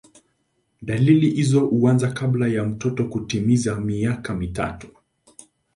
Dalili hizo huanza kabla ya mtoto kutimiza miaka mitatu.